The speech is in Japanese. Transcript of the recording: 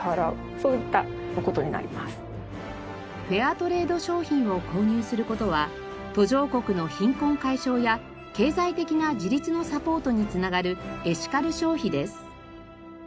トレード商品を購入する事は途上国の貧困解消や経済的な自立のサポートにつながるエシカル消費です。